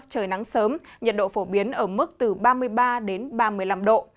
trời nắng sớm nhiệt độ phổ biến ở mức từ ba mươi ba đến ba mươi năm độ